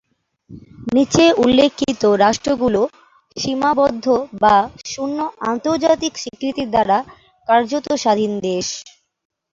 নিচে উল্লিখিত রাষ্ট্রগুলো সীমাবদ্ধ বা শুন্য আন্তর্জাতিক স্বীকৃতির দ্বারা কার্যত স্বাধীন দেশ।